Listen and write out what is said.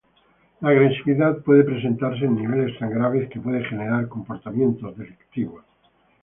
La agresividad puede presentarse en niveles tan graves que puede generar comportamientos delictivos.